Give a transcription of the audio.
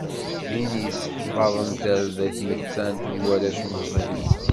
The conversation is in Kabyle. Ddin yesseḥfaḍen tarda n tmettant i warrac meẓẓiyen.